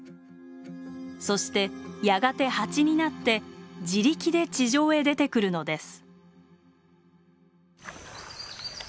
そしてやがてハチになって自力で地上へ出てくるのです。